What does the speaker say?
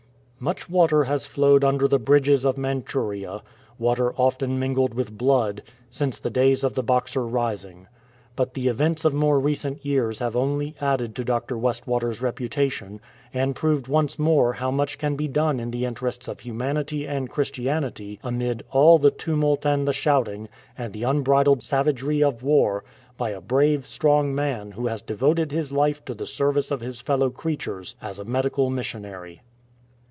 Much water has flowed under the bridges of Manchuria — water often mingled with blood — since the days of the Boxer rising. But the events of more recent years have only added to Dr. West water's reputation, and proved once more how much can be done in the interests of humanity and Christianity, amid all " the tumult and the shouting " and the unbridled savagery of war, by a brave, strong man who has devoted his life to the service of his fellow creatures as a medical missionary.